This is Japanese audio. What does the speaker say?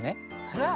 あら。